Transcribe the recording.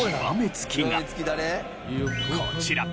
こちら。